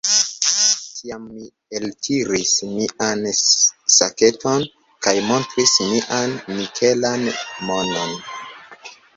Tiam mi eltiris mian saketon kaj montris mian nikelan monon.